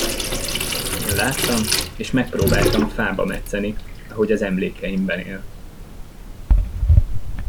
Én láttam, és megpróbáltam fába metszeni, ahogy az emlékeimben él.